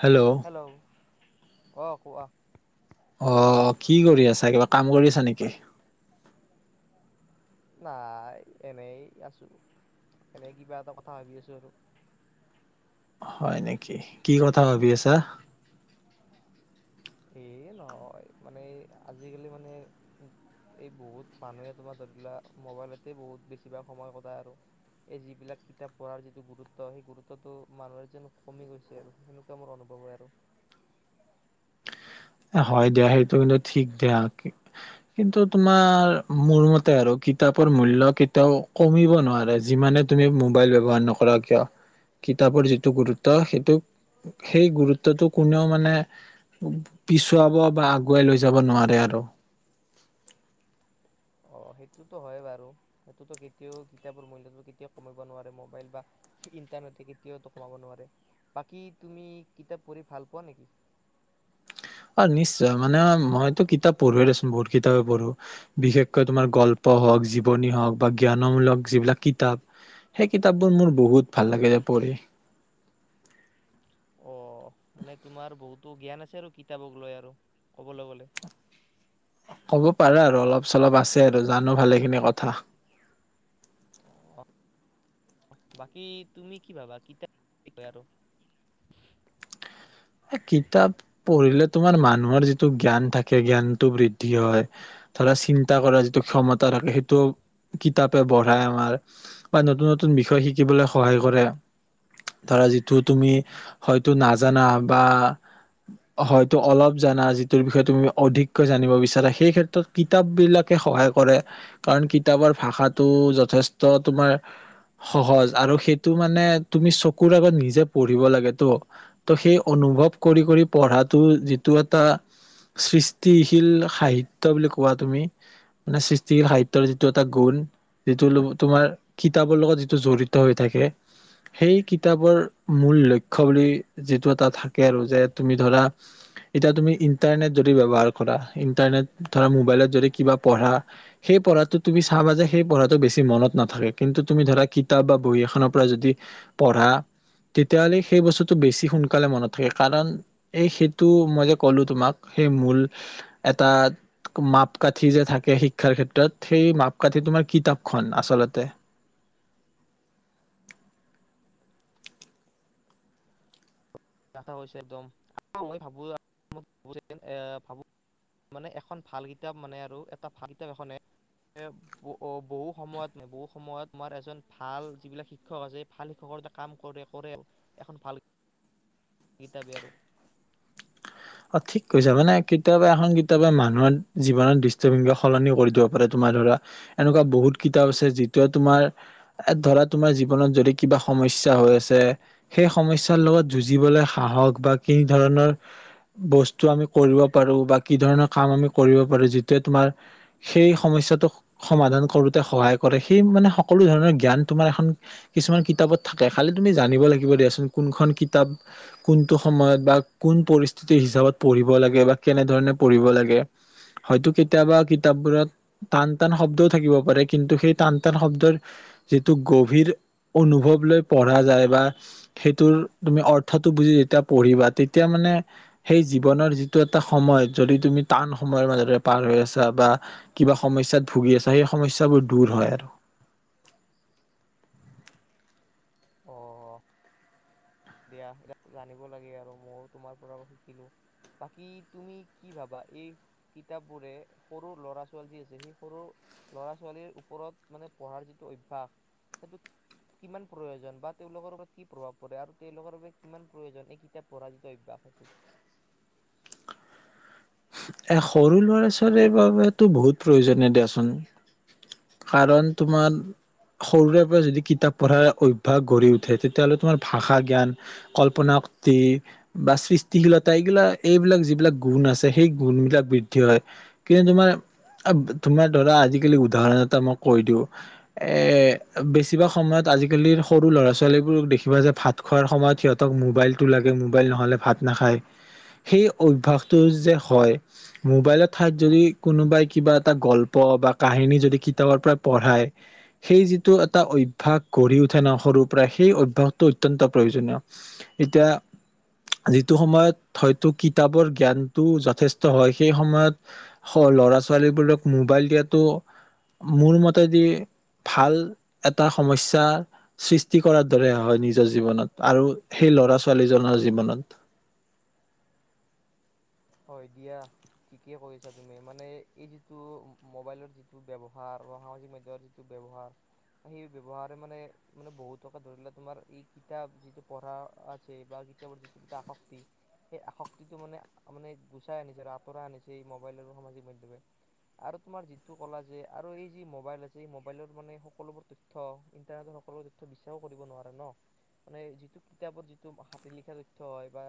Hello অ কোৱা। আহ কি কৰি আছা কিবা কাম কৰিছা নেকি নাই এনেই আছো এনে কিবা এটা কথা ভাবি আছো আৰু হয় নেকি কি কথা ভাবি আছা এ নহয় মানে আজিকালি মানে এই বহুত মানুহে তোমাৰ ধৰি লোৱা মোবাইলতে বহুত বেছিভাগ সময় কটাই আৰু এই যিবিলাক কিতাপ পঢ়াৰ যিটো গুৰুত্ব সেই গুৰুত্বটো মানুহে যেন কমি গৈছে আৰু সেনেকুৱা মোৰ অনুভৱ হয় আৰু হয় দিয়া সেইটো কিন্তু ঠিক দিয়া কিন্তু তোমাৰ মোৰ মতে আৰু কিতাপৰ মূল্য কেতিয়াও কমিব নোৱাৰে যিমানে তুমি মোবাইল ব্যৱহাৰ নকৰা কিয় কিতাপৰ যিটো গুৰুত্ব সেইটো সেই গুৰুত্বটো কোনেও মানে পিছুৱাব বা আগুৱাই লৈ যাব নোৱাৰে আৰু অ সেইটোতো হয় বাৰু সেইটোতো কেতিয়াও কিতাপৰ মূল্যটো কেতিয়াও কমিব নোৱাৰে মোবাইল বা ইণ্টাৰনেটে কেতিয়াও কমাব নোৱাৰে বাকী তুমি কিতাপ পঢ়ি ভাল পোৱা নেকি আৰু নিশ্চয় মানে মইতো কিতাপ পঢ়োৱে দেচোন বহুত কিতাপেই পঢ়ো বিশেষকৈ তোমাৰ গল্প হওঁক জীৱনী হওক বা জ্ঞানমূলক যিবিলাক কিতাপ সেই কিতাপবোৰ মোৰ বহুত ভাল লাগে যে পঢ়ি। অ মানে তোমাৰ বহুতো জ্ঞান আছে আৰু কিতাপক লৈ আৰু কবলৈ গলে হব পাৰে আৰু অলপ চলপ আছে আৰু জানো ভালেখিনি কথা বাকী তুমি কি ভাবা কিতাপ কয় আৰু কিতাপ পঢ়িলে তোমাৰ মানুহৰ যিটো জ্ঞান থাকে জ্ঞানটো বৃদ্ধি হয় ধৰা চিন্তা কৰাৰ যিটো ক্ষমতা থাকে সেইটো কিতাপে বঢ়াই আমাৰ বা নতুন নতুন বিষয় শিকিবলৈ সহায় কৰে ধৰা যিটো তুমি হয়তো নাজানা বা হয়তো অলপ জানা যিটোৰ বিষয়ে তুমি অধিককৈ জানিব বিচাৰা সেই ক্ষেত্ৰত কিতাপ বিলাকে সহায় কৰে কাৰণ কিতাপৰ ভাষাটো যথেষ্ট তোমাৰ সহজ আৰু সেইটো মানে তুমি চকুৰ আগত নিজে পঢ়িব লাগে ত ত সেই অনুভৱ কৰি কৰি পঢ়াটো যিটো এটা সৃষ্টিশীল সাহিত্য বুলি কোৱা তুমি না সৃষ্টিশীল সাহিত্য যিটো এটা গুণ যিটো তোমাৰ কিতাপৰ লগত যিটো জড়িত হৈ থাকে সেই কিতাপৰ মূল লক্ষ্য বুলি যিটো ত থাকে আৰু যে তুমি ধৰা এতিয়া তুমি ইন্টাৰনেট যদি ব্যৱহাৰ কৰা ইণ্টাৰনেট ধৰা মোবাইলত যদি কিবা পঢ়া সেই পঢ়াটো তুমি চাবা যে সেই পঢ়াটো বেছি মনত নাথাকে কিন্তু তুমি ধৰা কিতাপ বা বহি এখনৰ পৰা যদি পঢ়া তেতিয়াহলে সেই বস্তুটো বেছি সোনকালে সোনকালে মনত থাকে কাৰণ এই সেইটো মই যে কলো তোমাক সেই মূল এটা মাপকাঠি যে থাকে শিক্ষাৰ ক্ষেত্ৰত সেই মাপকাঠি তোমাৰ কিতাপখন আচলতে ছে একদম মই ভাবো এ ভাবো মানে এখন ভাল কিতাপ মানে আৰু এটা ভাল কিতাপ এখনে বহু সময়ত বহু সময়ত তোমাৰ এজন ভাল যিবিলাক শিক্ষক আছে ভাল শিক্ষকৰ কাম কৰে কৰে এখন ভাল গগীতা বেয়া আৰু অ ঠিক কৈছা মানে কেতিয়াবা এখন কিতাপে মানুহৰ জীৱন দৃষ্টিভংগি সলনি কৰি দিব পাৰে তোমাৰ ধৰা এনেকুৱা বহুত কিতাপ আছে যিটোৱে তোমাৰ ধৰা তোমাৰ জীৱনত যদি কিবা সমস্যা হৈ আছে সেই সমস্যাৰ লগত যুঁজিবলৈ সাহস বা কি ধৰণৰ বস্তু আমি কৰিব পাৰো বা কি ধৰণৰ কাম আমি কৰিব পাৰো যিটোৱে তোমাৰ সেই সমস্যাটো সমাধান কৰোতে সহায় কৰে সেই মানে সকলো ধৰণৰ জ্ঞান তোমাৰ কিছুমান কিতাপত থাকে খালি তুমি জানিব লাগিব দিয়াচোন কোনখন কিতাপ কোনটো সময়ত বা কোন পৰিস্থিতি কি কি হিচাপত পঢ়িব লাগে বা কেনেধৰণে পঢ়িব লাগে হয়তো কেতিয়াবা কিতাপবোৰত টান টান শব্দও থাকিব পাৰে কিন্তু সেই টান টান শব্দৰ যিটো গভীৰ অনুভৱ লৈ পঢ়া যায় বা সেইটোৰ তুমি অৰ্থটো বুজি যেতিয়া পঢ়িবা তেতিয়া মানে সেই জীৱনৰ যিটো এটা সময় যদি তুমি টান সময়ৰ মাজৰে পাৰ হৈ আছা বা কিবা সমস্যাত ভুগি আছা সেই সমস্যাবোৰ দূৰ হয় আৰু অ দিয়া জানিব লাগে আৰু ময়ো তোমাৰ পৰা শিকিলো বাকী তুমি কি ভাবা এই কিতাপবোৰে সৰু ল'ৰা ছোৱালী যি আছে সেই সৰু ল'ৰা ছোৱালীৰ ওপৰত মানে পঢ়াৰ যিটো অভ্যাস সেইটো কিমান প্ৰয়োজন বা তেওঁলোকৰ ওপৰত কি প্ৰভাৱ পৰে আৰু তেওঁলোকৰ বাবে কিমান প্ৰয়োজন এই কিতাপ পঢাৰ যিটো অভ্যাস সেইটো এ সৰু ল'ৰা ছোৱালীৰ বাবেতো বহুত প্ৰয়োজন দিয়াচোন কাৰণ তোমাৰ সৰুৰে পৰা যদি কিতাপ পঢ়াৰ অভ্যাস গঢ়ি উঠে তেতিয়া হলে তোমাৰ ভাষা জ্ঞান কল্পনা শক্তি বা সৃষ্টিশীলতা এইবিলাক এইবিলাক যিবিলাক গুণ আছে সেই গুণ বিলাক বৃদ্ধি হয় কিন্তু তোমাৰ তোমাৰ ধৰা আজিকালি উদাহৰণত মই কৈ দিওঁ এ বেছিভাগ সময়ত আজিকালিৰ সৰু ল'ৰা ছোৱালীবোৰক দেখিবা যে ভাত খোৱাৰ সময়ত সিহঁতক মোবাইলটো লাগে মোবাইল নহলে ভাত নাখায় সেই অভ্যাসটো যে হয় মোবাইলত ঠাইত যদি কোনোবাই কিবা এটা গল্প বা কাহিনী যদি কিতাপৰ পৰা পঢ়ায় সেই যিটো এটা অভ্যাস গঢ়ি উঠে ন সৰুৰ পৰা সেই অভ্যাসটো অত্যন্ত প্ৰয়োজনীয় এতিয়া যিটো সময়ত হয়তো কিতাপৰ জ্ঞানটো যথেষ্ট হয় সেই সময়ত ল'ৰা ছোৱালীবোৰক মোবাইল দিয়াটো মোৰ মতেদি ভাল এটা সমস্যা সৃষ্টি কৰাৰ দৰে হয় নিজৰ জীৱনত আৰু সেই ল'ৰা ছোৱালীজনৰ জীৱনত হয় দিয়া ঠিকে কৈছা তুমি মানে এই যিটো মোবাইলৰ যিটো ব্যৱহাৰ বা সামাজিক মাধ্যমৰ যিটো ব্যৱহাৰ সেই ব্যৱহাৰে মানে মানে বহুতকে ধৰিলো তোমাৰ এই কিতাপ যিটো পঢ়া আছে বা কিতাপৰ যিটো আসক্তি সেই আসক্তিটো মানে মানে গুচাই আনিছে আৰু আঁতৰা আনিছে এই মোবাইল আৰু সামাজিক মাধ্যমে আৰু তোমাৰ যিটো কলা যে আৰু এই যি মোবাইল আছে এই মোবাইলৰ মানে সকলোবোৰ তথ্য ইণ্টাৰনেটৰ সকলোবোৰ তথ্য বি্চাৰো কৰিব নোৱাৰে ন মানে যিটো কিতাপৰ যিটো হাতে লিখা তথ্য হয় বা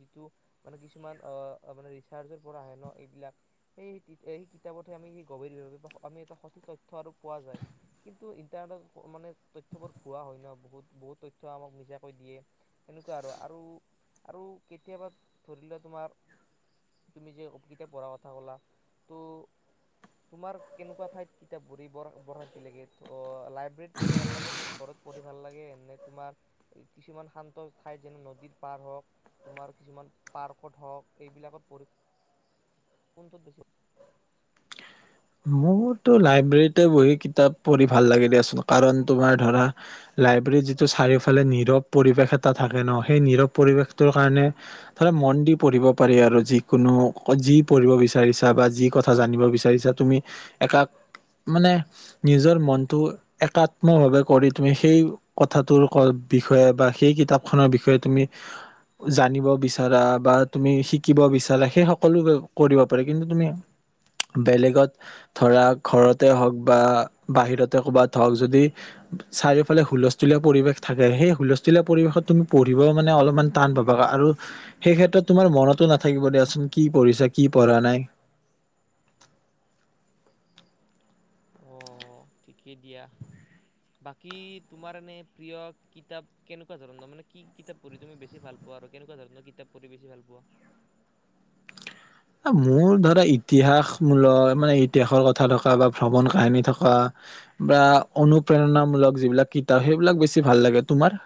যিটো মানে কিছুমান অ অ মানে ৰিচাৰ্জৰ পৰা আহে ন এইবিলাক সেই কিতাপতহে আমি সেই গভীৰভাৱে আমি এটা সঠিক তথ্য আৰু পোৱা যায় কিন্তু ইণ্টাৰনেটত মানে তথ্যবোৰ ভুৱা হয় ন বহুত বহুত তথ্য আমাক মিছাকৈ দিয়ে এনেকুৱা আৰু আৰু আৰু কেতিয়াবা ধৰি লোৱা তোমাৰ তুমি যে কিতাপ পঢ়া কথা কলা তো তোমাৰ কেনেকুৱা ঠাইত কিতাপ পঢ়ি বৰ শান্তি লাগে লাইব্ৰেৰীত পঢ়ি ভাল লাগে নে ঘৰত পঢ়ি ভাল লাগে নে তোমাৰ কিছুমান শান্ত ঠাইত যেনে নদীৰ পাৰ হওঁক তোমাৰ কিছুমান পাৰ্কত হওঁক এইবিলাকত পঢ়ি কোনটোত বেছি মোৰতো লাইব্ৰেৰীতে বহি কিতাপ পঢ়ি ভাল লাগিল দিয়াচোন কাৰণ তোমাৰ ধৰা লাইব্ৰেৰীত যিটো চাৰিওফালে নীৰৱ পৰিৱেশ এটা থাকে ন সেই নীৰৱ পৰিৱেশটোৰ কাৰণে ধৰা মন দি পঢ়িব পাৰি আৰু যিকোনো যি পঢ়িব বিচাৰিছা বা যি কথা জানিব বিচাৰিছা তুমি একাত্ম মানে নিজৰ মনটো একাত্ম হলে কৰি তুমি সেই কথাটোৰ বিষয়ে বা সেই কিতাপখনৰ বিষয়ে তুমি জানিব বিচাৰা বা তুমি শিকিব বিচাৰা সেই সকলো কৰিব পাৰা কিন্তু তুমি বেলেগত ধৰা ঘৰতে হওক বা বাহিৰতে ক'বাত হওঁক যদি চাৰিওফালে হুলস্থুলীয়া পৰিৱেশ থাকে সেই হুলস্থূুলীয়া পৰিৱেশত তুমি পঢ়িব মানে অলপমান টান পাবা আৰু সেই ক্ষেত্ৰত তোমাৰ মনতো নাথাকিব দিয়াচোন কি পঢ়িছা কি পঢ়া নাই অ ঠিকেই দিয়া বাকী তোমাৰ এনে প্ৰিয় কিতাপ কেনেকুৱা ধৰণৰ মানে কি কিতাপ পঢ়ি তুমি বেছি ভাল পোৱা আৰু কেনেকুৱা ধৰণৰ কিতাপ পঢ়ি বেছি ভাল পোৱা মোৰ ধৰা ইতিহাসমূলক মানে ইতিহাসৰ কথা থকা বা ভ্ৰমণ কাহিনী থকা বা অনুপ্ৰেৰণামূলক যিবিলাক কিতাপ সেইবিলাক বেছি ভাল লাগে তোমাৰ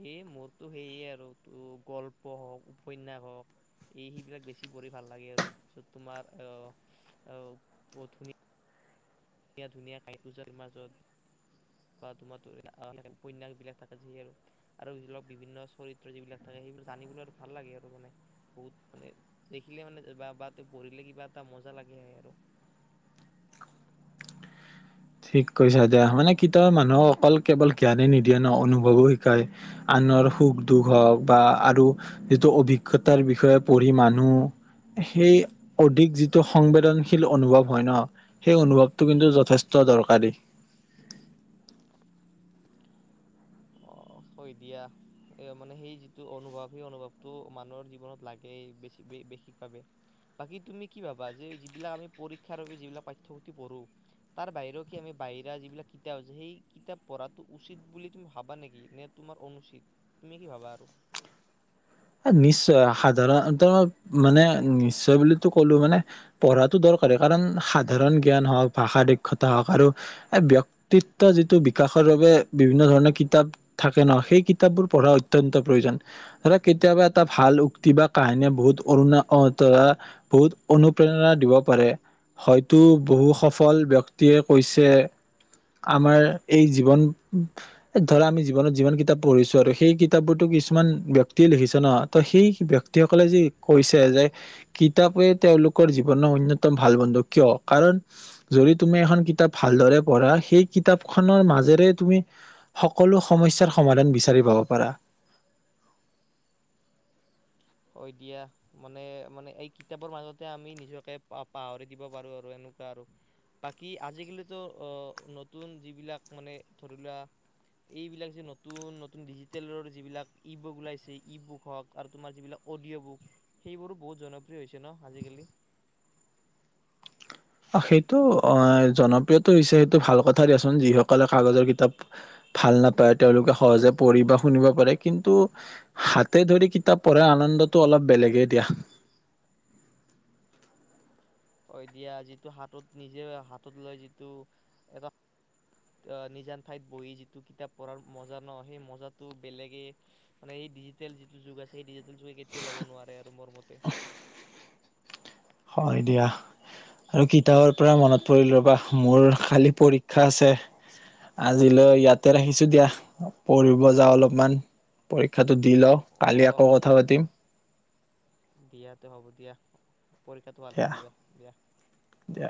এই মোৰতো সেইয়ে আৰু ত গল্প হওঁক উপন্যাস হওক এই সেইবিলাক বেছি পঢ়ি ভাল লাগে আৰু যত তোমাৰ আহ ধুনীয়া ধুনীয়া ধুনীয়া খাইছো ঠিক কৈছো দিয়া মানে কিতাপৰ মানুহক অকল কেৱল জ্ঞানে নিদিয়ে ন অনুভৱো শিকায় আনৰ সুখ দুখ হওক বা আৰু যিটো অভিজ্ঞতাৰ বিষয়ে পঢ়ি মানুহ সেই অধিক যিটো সংবেদনশীল অনুভৱ হয় ন সেই অনুভৱটো কিন্তু যথেষ্ট ত দৰকাৰী অ হয় দিয়া মানে সেই যিটো অনুভৱ সেই অনুভৱটো মানুহৰ জীৱনত লাগে বেছি বিশেষভাৱে বাকী তুমি কি ভাবা যে যিবিলাক আমি পৰীক্ষাৰ বাবে যিবিলাক পাঠ্য পুথি পঢ়ো তাৰ বাহিও কি আমি বাহিৰা যিবিলাক কিতাপ আছে সেই কিতাপ পঢ়াটো উচিত বুলি তুমি ভাবা নেকি নে তোমাৰ অনুচিত তুমি কি ভাবা আৰু নিশ্চয় সাধাৰণ মানে নিশ্চয় বুলিতো কলো মানে পঢ়াটো দৰকাৰ কাৰণ সাধাৰণ জ্ঞান হওঁক ভাষা দক্ষতা হওক আৰু এই ব্যক্তিত্ব যিটো বিকাশৰ বাবে বিভিন্ন ধৰণৰ কিতাপ থাকে নহ সেই কিতাপবোৰ পঢ়া অত্যন্ত প্ৰয়োজন মানে কেতিয়াবা এটা ভাল উক্তি বা কাহিনীয়ে বহুত অৰুণাৰা বহুত অনুপ্ৰেৰণা দিব পাৰে হয়তো বহু সফল ব্যক্তিয়ে কৈছে আমাৰ এই জীৱন ধৰা আমি জীৱনত যিমান কিতাপ পঢ়িছো আৰু সেই কিতাপবোৰতো কিছুমান ব্যক্তি লিখিছ ন ত সেই ব্যক্তিসকলে যি কৈছে যে কিতাপে তেওঁলোকৰ জীৱনৰ অন্যতম ভাল বন্ধু কিয় কাৰণ যদি তুমি এখন কিতাপ ভালদৰে পঢ়া সেই কিতাপখনৰ মাজেৰে তুমি সকলো সমস্যাৰ সমাধান বিচাৰি পাব পাৰা হয় দিয়া মানে মানে এই কিতাপৰ মাজতে আমি নিজকে পাহৰি দিব পাৰোঁ আৰু এনেকুৱা আৰু বাকী আজিকালিতো নতুন যিবিলাক মানে ধৰি লোৱা এইবিলাক যে নতুন নতুন ডিজিটেলৰ যিবিলাক ই বুক ওলাইছে ই বুক হওক আৰু তোমাৰ যিবিলাক অডিঅ' বুক সেইবোৰো বহুত জনপ্ৰিয় হৈছে ন আজিকালি সেইটো জনপ্ৰিয়তটো হৈছে সেইটো ভাল কথা দিয়াচোন যিসকলে কাগজৰ কিতাপ ভাল নাপায় তেওঁলোকে সহজে পঢ়ি বা শুনিব পাৰে কিন্তু হাতে ধৰি কিতাপ পঢ়াৰ আনন্দতটো অলপ বেলেগেই দিয়া দিয়া যিটো হাতত নিজে হাতত লৈ যিটো এটা নিজান ঠাইত বহি যিটো কিতাপ পঢ়াৰ মজা ন সেই মজাটো বেলেগে মানে এই ডিজিটেল যিটো যুগ আছে সি কেতিয়াও ল'ব নোৱাৰে আৰু মোৰ মতে হয় দিয়া আৰু কিতাপৰ পৰা মনত পৰিল ৰবা মোৰ কালি পৰীক্ষা আছে আজিলৈ ইয়াতে ৰাখিছো দিয়া পঢ়িব যাওঁ অলপমান পৰীক্ষাটো দি লওঁ কালি আকৌ কথা পাতিম দিয়াতো হ'ব দিয়া পৰীক্ষাটো দিয়া ভালকে দিবা দিয়া দিয়া